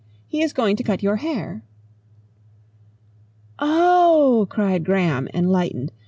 "He is going to cut your hair." "Oh!" cried Graham enlightened.